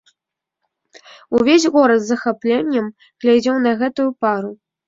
Увесь горад з захапленнем глядзеў на гэтую пару.